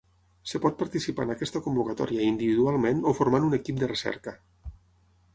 Es pot participar en aquesta convocatòria individualment o formant un equip de recerca.